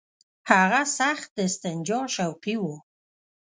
هغه سخت د استنجا شوقي وو.